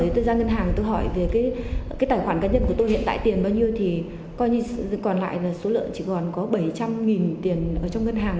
tôi ra ngân hàng tôi hỏi về cái tài khoản cá nhân của tôi hiện tại tiền bao nhiêu thì coi như còn lại là số lượng chỉ còn có bảy trăm linh tiền ở trong ngân hàng